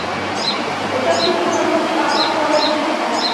وَتَرْكَ التَّسَلُّطِ أَعَطْفُ عَلَى الْمَحَبَّةِ